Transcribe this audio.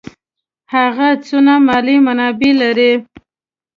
هغه څونه مالي منابع لري.